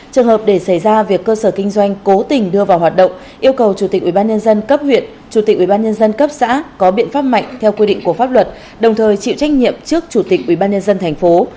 trường hợp để xảy ra việc cơ sở kinh doanh cố tình đưa vào hoạt động yêu cầu chủ tịch ubnd cấp huyện chủ tịch ubnd cấp xã có biện pháp mạnh theo quy định của pháp luật đồng thời chịu trách nhiệm trước chủ tịch ubnd tp